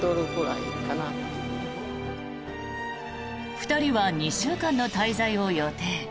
２人は２週間の滞在を予定。